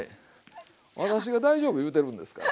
私が大丈夫言うてるんですから。